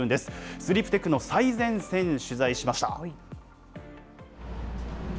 スリープテックの最前線、取材しました。